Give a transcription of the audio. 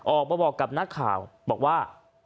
ออกมาบอกกับนักข่าวบอกว่า